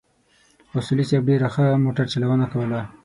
اصولي صیب ډېره ښه موټر چلونه کوله.